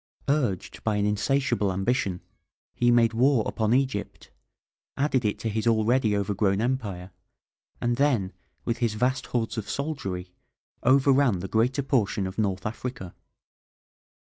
Urged by an insatiable ambition, he made war upon Egypt, added it to his already overgrown empire, and then, with his vast hordes of soldiery, overran the greater portion of North Africa.